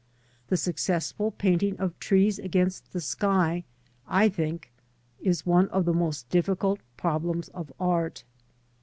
The successful^ainting; of trees against the sky, I think, \ is one of the most difficult problems of art.